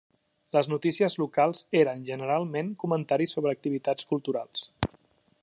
Les notícies locals eren generalment comentaris sobre activitats culturals.